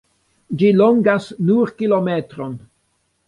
Ĝi longas nur kilometron.